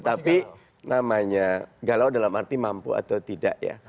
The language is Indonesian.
tapi namanya galau dalam arti mampu atau tidak ya